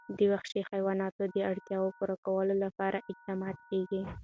د وحشي حیواناتو د اړتیاوو پوره کولو لپاره اقدامات کېږي.